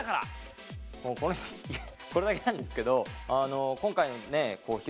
これだけなんですけど今回のですね